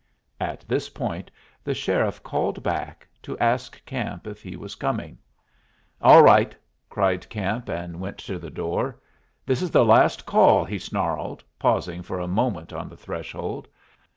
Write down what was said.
At this point the sheriff called back to ask Camp if he was coming. "All right," cried Camp, and went to the door. "This is the last call," he snarled, pausing for a moment on the threshold.